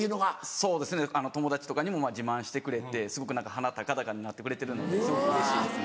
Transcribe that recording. そうですね友達とかにも自慢してくれてすごく鼻高々になってくれてるのですごくうれしいですね。